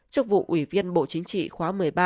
chức vụ ủy viên bộ chính trị khóa một mươi ba